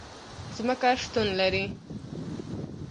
ځمکه شتون لري